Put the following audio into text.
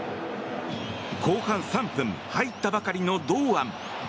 後半３分入ったばかりの堂安。